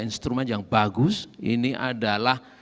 instrumen yang bagus ini adalah